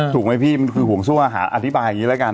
ถูกไหมพี่มันคือห่วงโซ่อาหารอธิบายอย่างนี้แล้วกัน